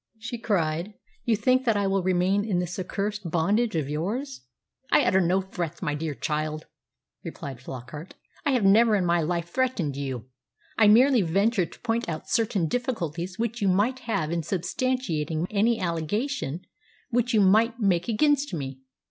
she cried. "You think that I will still remain in this accursed bondage of yours?" "I utter no threats, my dear child," replied Flockart. "I have never in my life threatened you. I merely venture to point out certain difficulties which you might have in substantiating any allegation which you might make against me.